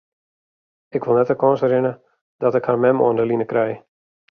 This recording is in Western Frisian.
Ik wol net de kâns rinne dat ik har mem oan 'e line krij.